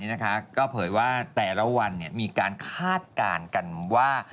ก็เผยว่าแต่ละวันมีการคาดการณ์กันว่า